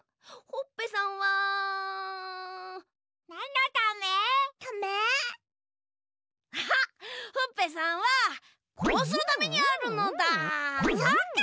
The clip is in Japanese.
ほっぺさんはこうするためにあるのだ！